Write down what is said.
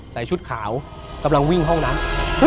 ใส่ชุดขาวกำลังวิ่งห้องนั้น